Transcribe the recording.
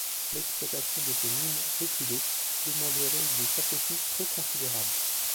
L’exploitation de ces mines reculées demanderait des sacrifices trop considérables.